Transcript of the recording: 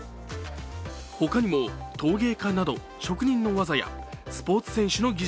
他にも陶芸家など職人の技やスポーツ選手の技術、